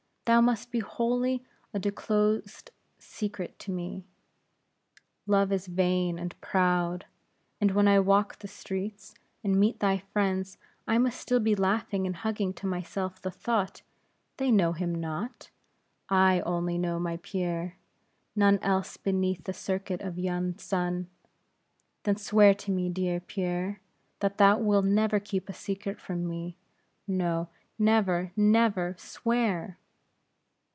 Thou must be wholly a disclosed secret to me; Love is vain and proud; and when I walk the streets, and meet thy friends, I must still be laughing and hugging to myself the thought, They know him not; I only know my Pierre; none else beneath the circuit of yon sun. Then, swear to me, dear Pierre, that thou wilt never keep a secret from me no, never, never; swear!"